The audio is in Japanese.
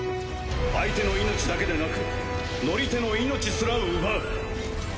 相手の命だけでなく乗り手の命すら奪う。